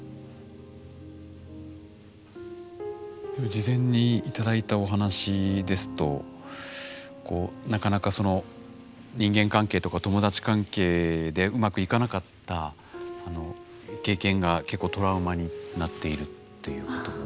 事前に頂いたお話ですとなかなか人間関係とか友達関係でうまくいかなかった経験が結構トラウマになっているということも。